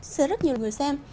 sẽ rất nhiều người xem